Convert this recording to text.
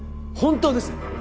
本当です！